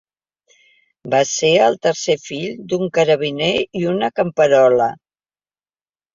Va ser el tercer fill d'un carabiner i una camperola.